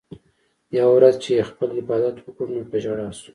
يوه ورځ چې ئې خپل عبادت وکړو نو پۀ ژړا شو